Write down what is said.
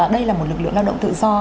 đây là một lực lượng lao động tự do